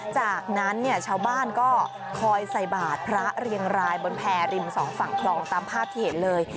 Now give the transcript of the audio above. จากนั้นเนี่ยชาวบ้านก็คอยใส่บาทพระเรียงรายบนแพรริมสองฝั่งคลองตามภาพที่เห็นเลย